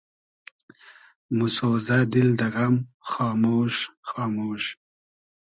موسۉزۂ دیل دۂ غئم خامۉش خامۉش